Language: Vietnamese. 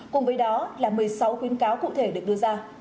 cùng với đó là một mươi sáu khuyến cáo cụ thể được đưa ra